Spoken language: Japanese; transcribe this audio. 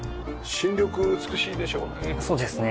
新緑美しいでしょうね。